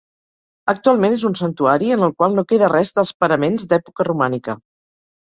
Actualment és un santuari en el qual no queda res dels paraments d'època romànica.